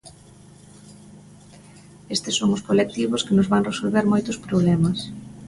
Estes son os colectivos que nos van resolver moitos problemas.